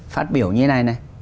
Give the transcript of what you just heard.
phát biểu như thế này này